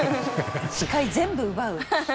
視界全部奪う。